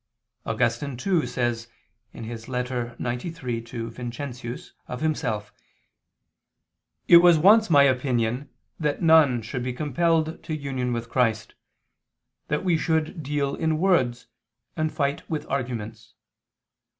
Augustine too, says (Ep. ad Vincent. xciii) of himself: "It was once my opinion that none should be compelled to union with Christ, that we should deal in words, and fight with arguments.